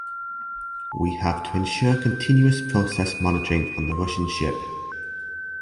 We have to ensure continuous process monitoring on the Russian ship.